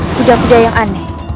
kuda kuda yang aneh